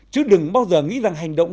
chứ đừng bao giờ nghĩ rằng hành động